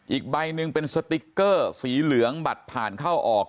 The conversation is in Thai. อีกใบหนึ่งเป็นสติ๊กเกอร์สีเหลืองบัตรผ่านเข้าออก